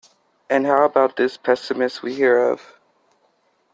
And how about this pessimism we hear of?